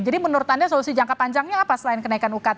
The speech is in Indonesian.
jadi menurut anda solusi jangka panjangnya apa selain kenaikan ukt